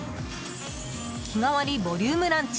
日替わりボリュームランチ